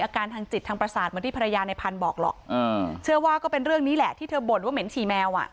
อาการทางจิตทางประสาทเหมือนที่ภรรยาในพันธุ์บอกหรอกเชื่อว่าก็เป็นเรื่องนี้แหละที่เธอบ่นว่าเหม็นฉี่แมวอ่ะ